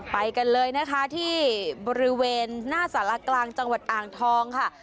ไปกันเลยนะคะที่บริเวณหน้าสารกลางจังหวัดอ่างทองค่ะ